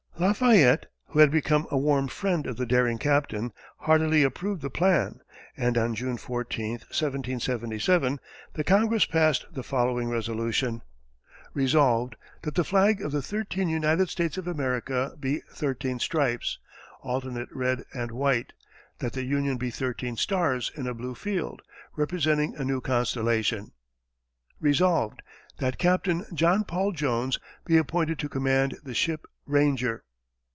Lafayette, who had become a warm friend of the daring captain, heartily approved the plan, and on June 14, 1777, the Congress passed the following resolution: Resolved, That the Flag of the Thirteen United States of America be Thirteen Stripes, Alternate Red and White; that the Union be Thirteen Stars in a Blue Field, Representing a New Constellation. Resolved, That Captain John Paul Jones be Appointed to Command the Ship Ranger.